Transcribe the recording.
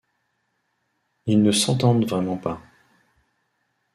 Ils ne s'entendent vraiment pas.